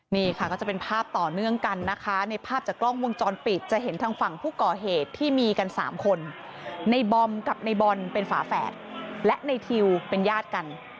นี่ค่ะก็จะเป็นภาพต่อเนื่องกันนะคะในภาพจากกล้องวงจรปิดจะเห็นทางฝั่งผู้ก่อเหตุที่มีกัน๓คนในบอมกับในบอลเป็นฝาแฝดและในทิวเป็นญาติกัน